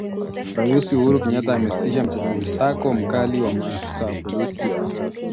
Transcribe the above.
Rais Uhuru Kenyatta amesitisha msako mkali wa maafisa wa polisi wa trafiki